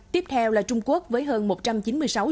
tiếp theo là trung quốc với hơn một trăm tám mươi triệu đô la mỹ